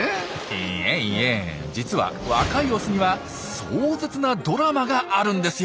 いえいえ実は若いオスには壮絶なドラマがあるんですよ。